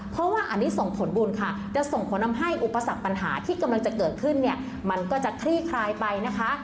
เพราะว่าอันนี้ส่งผลบุญค่ะจะส่งผลทำให้อุปสรรคปัญหาที่กำลังจะเกิดขึ้นเนี่ยมันก็จะคลี่คลายไปนะคะ